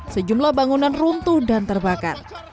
sejumlah bangunan runtuh dan terbakar